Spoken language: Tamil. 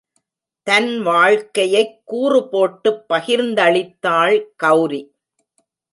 தன் வாழ்க்கையைக் கூறுபோட்டுப் பகிர்ந்தளித்தாள் கெளரி.